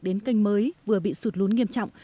đến canh mới vừa bị sụt lún nghiêm trọng